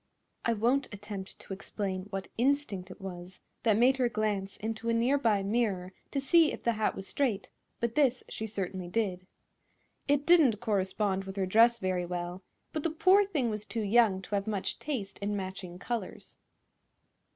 I won't attempt to explain what instinct it was that made her glance into a near by mirror to see if the hat was straight, but this she certainly did. It didn't correspond with her dress very well, but the poor thing was too young to have much taste in matching colors.